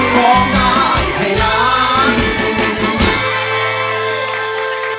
ร้องได้ให้รัง